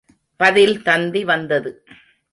பதில் தந்தி வந்தது.